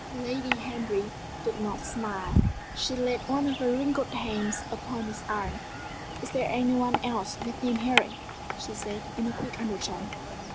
Lady Henry did not smile. She laid one of her wrinkled hands upon his arm. "Is there any one else within hearing?" she said, in a quick undertone.